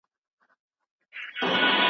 د دغه ناول انځوریزه ژبه ډېره خوندوره ده.